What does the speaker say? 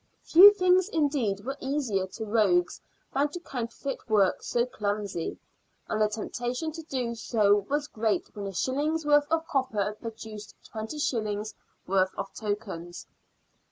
Few things, indeed, were easier to rogues than to counterfeit work so clumsy, and the temptation to do so was great when a shilling's worth of copper produced twenty shillings' worth of tokens.